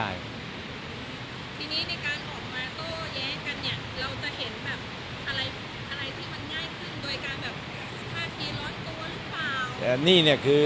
ทีนี้ในการออกมาโต้แยงกันเราจะเห็นอะไรที่มันง่ายขึ้น